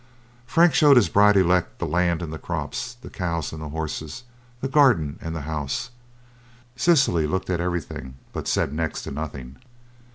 Frank showed his bride elect the land and the crops, the cows and the horses, the garden and the house. Cecily looked at everything, but said next to nothing.